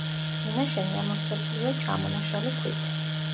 მინაშენი ამოვსებულია ჩამონაშალი ქვით.